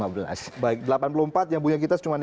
baik delapan puluh empat yang punya kitas cuma lima belas